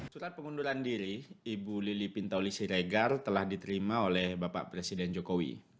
surat pengunduran diri ibu lili pintauli siregar telah diterima oleh bapak presiden jokowi